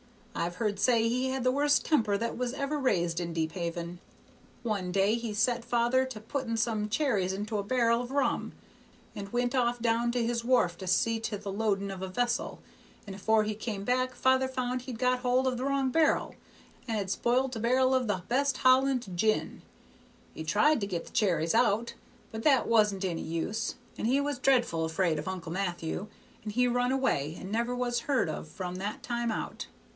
I've heard say he had the worst temper that was ever raised in Deephaven. "One day he set father to putting some cherries into a bar'l of rum, and went off down to his wharf to see to the loading of a vessel, and afore he come back father found he'd got hold of the wrong bar'l, and had sp'ilt a bar'l of the best Holland gin; he tried to get the cherries out, but that wasn't any use, and he was dreadful afraid of Uncle Matthew, and he run away, and never was heard of from that time out.